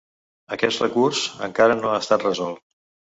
Aquest recurs encara no ha estat resolt.